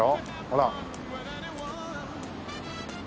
ほら。